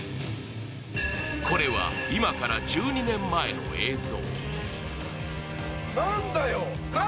これは今から１２年前の映像。